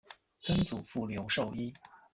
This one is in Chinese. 曾祖父刘寿一。